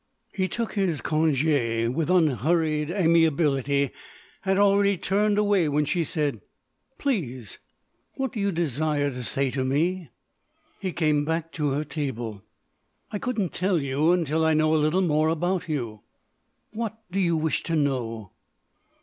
He took his congé with unhurried amiability; had already turned away when she said: "Please ... what do you desire to say to me?" He came back to her table: "I couldn't tell you until I know a little more about you." "What—do you wish to know?"